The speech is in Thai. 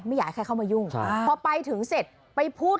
ไม่อยากให้ใครเข้ามายุ่งพอไปถึงเสร็จไปพูด